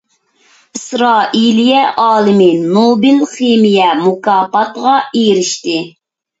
ئىسرائىلىيە ئالىمى نوبېل خىمىيە مۇكاپاتىغا ئېرىشتى.